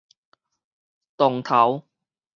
洞頭